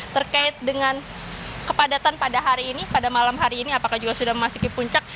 terkait dengan kepadatan pada hari ini pada malam hari ini apakah juga sudah memasuki puncak